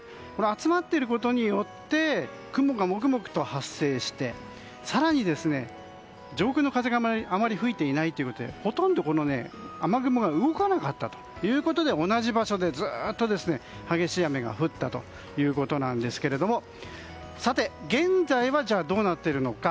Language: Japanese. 集まっていることによって雲がもくもくと発生して更に上空の風があまり吹いていないということでほとんど雨雲が動かなかったということで同じ場所でずっと激しい雨が降ったということですが現在はどうなっているのか。